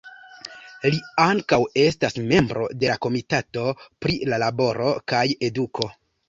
Li ankaŭ estas membro de la Komitato pri La Laboro kaj Eduko.